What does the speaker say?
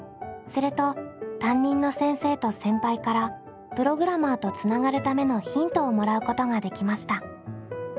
すると担任の先生と先輩からプログラマーとつながるためのヒントをもらうことができました。